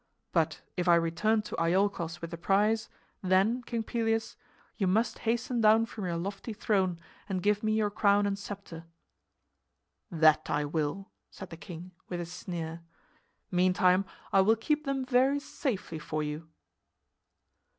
But if I return to Iolchos with the prize, then, King Pelias, you must hasten down from your lofty throne and give me your crown and scepter." "That I will," said the king, with a sneer. "Meantime I will keep them very safely for you."